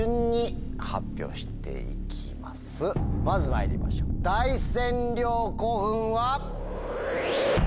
まずまいりましょう「大仙陵古墳」は？